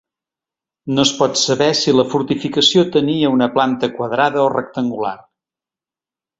No es pot saber si la fortificació tenia una planta quadrada o rectangular.